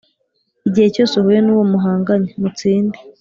igihe cyose uhuye nuwo muhanganye. mutsinde